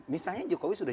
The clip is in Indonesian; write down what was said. misalnya jokowi sudah